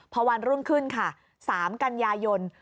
พอวันรุ่นขึ้นค่ะ๓กันยายน